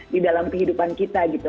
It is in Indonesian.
di dalam kehidupan kita gitu